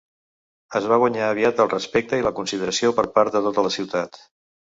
Es va guanyar aviat el respecte i la consideració per part de tota la ciutat.